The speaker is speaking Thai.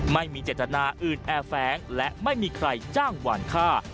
ไม่มีเจตนาอื่นแอบแฟ้งและไม่มีใครจ้างหวานฆ่า